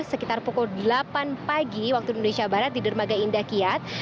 sekitar pukul delapan pagi waktu indonesia barat di dermaga indah kiat